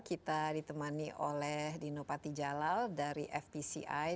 kita ditemani oleh dino patijalal dari fpci